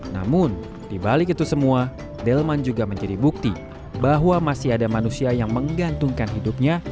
namun dibalik itu semua delman juga menjadi bukti bahwa masih ada manusia yang menggantungkan hidupnya